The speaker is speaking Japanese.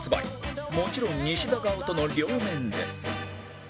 もちろんニシダ顔との両面です